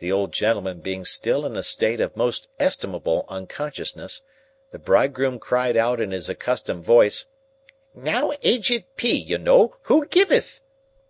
The old gentleman being still in a state of most estimable unconsciousness, the bridegroom cried out in his accustomed voice, "Now Aged P. you know; who giveth?"